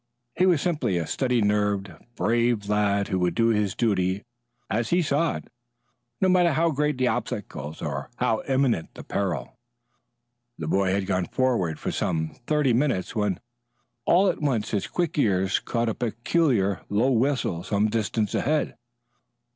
He was simply a steady nerved, brave lad who would do his duty as he saw it no matter how great the obstacles or how imminent the peril. The boy had gone forward for some thirty minutes when all at once his quick ears caught a peculiar, low whistle some distance ahead.